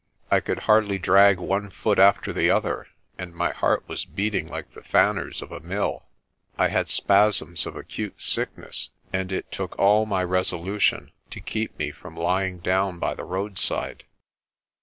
I could hardly drag one foot after the other, and my heart was beating like the fanners of a mill. I had spasms of acute sickness, and it took all my resolution to keep me from lying down by the roadside.